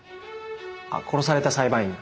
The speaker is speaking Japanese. あっ殺された裁判員の。